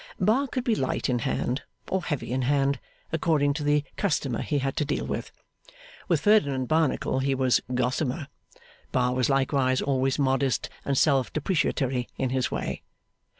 Bar could be light in hand, or heavy in hand, according to the customer he had to deal with. With Ferdinand Barnacle he was gossamer. Bar was likewise always modest and self depreciatory in his way.